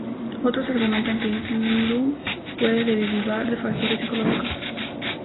Otros argumentan que el slump puede derivar de factores psicológicos.